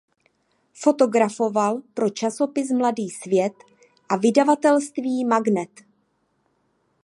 Fotografoval pro časopis "Mladý svět" a vydavatelství "Magnet".